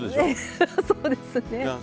ええそうですね。